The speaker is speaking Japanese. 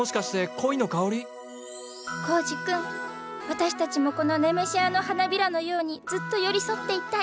私たちもこのネメシアの花びらのようにずっと寄り添っていたい。